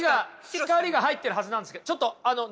光が入ってるはずなんですけどちょっとあの中岡さん。